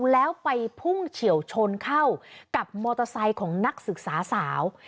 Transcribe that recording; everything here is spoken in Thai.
แล้วไปพุ่งเฉียวชนเข้ากับมอเตอร์ไซค์ของนักศึกษาสาว